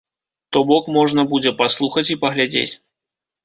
То бок, можна будзе паслухаць і паглядзець.